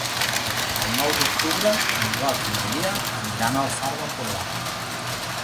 El nou d'octubre en Roc i na Lia aniran al Far d'Empordà.